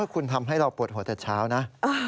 คุณทำให้เราปวดหัวแต่เช้านะ